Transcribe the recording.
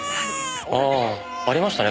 ああありましたね